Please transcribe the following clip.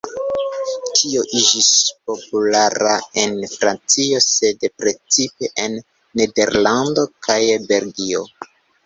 Tio iĝis populara en Francio, sed precipe en Nederlando kaj Belgio.